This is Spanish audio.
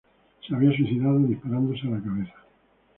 Se había suicidado disparándose a la cabeza.